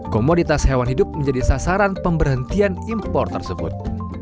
komoditas hewan hidup menjadi sasaran pemberhentian impor tersebut